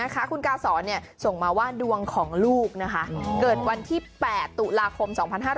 คุณกาศรส่งมาว่าดวงของลูกเกิดวันที่๘ตุลาคม๒๕๕๙